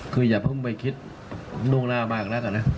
คืออย่าเพิ่งไปคิดล่วงหน้ามากแล้วกันนะ